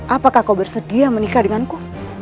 apakah kau bersedia menikah denganku